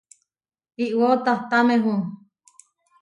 iʼwáo tahtámehu.